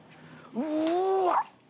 うわ！